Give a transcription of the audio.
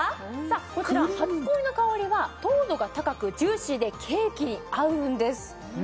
こちら初恋の香りは糖度が高くジューシーでケーキに合うんです